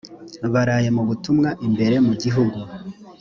baraye mu butumwa imbere mu gihugu